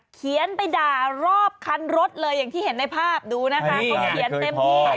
เขียนไปด่ารอบคันรถเลยอย่างที่เห็นในภาพดูนะคะเขาเขียนเต็มที่